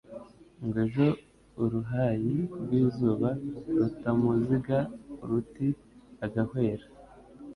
Ngo ejo uruhayi rw'izuba Rutamuziga uruti agahwera